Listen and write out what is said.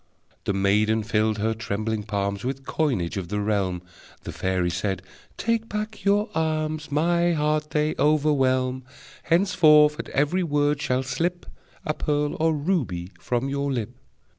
The maiden filled her trembling palms With coinage of the realm. The fairy said: "Take back your alms! My heart they overwhelm. Henceforth at every word shall slip A pearl or ruby from your lip!"